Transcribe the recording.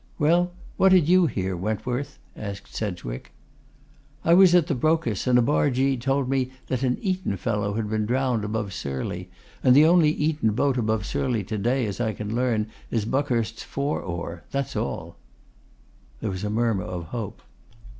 'Well, what did you hear, Wentworth?' asked Sedgwick. 'I was at the Brocas, and a bargee told me that an Eton fellow had been drowned above Surley, and the only Eton boat above Surley to day, as I can learn, is Buckhurst's four oar. That is all.' There was a murmur of hope.